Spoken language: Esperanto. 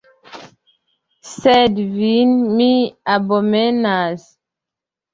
Sed vin mi abomenas.